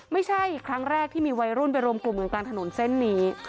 ไม่ใช่ครั้งแรกที่มีวัยรุ่นไปรวมกลุ่มกันกลางถนนเส้นนี้